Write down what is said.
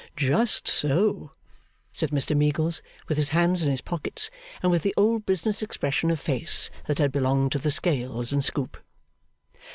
'Just so,' said Mr Meagles, with his hands in his pockets, and with the old business expression of face that had belonged to the scales and scoop.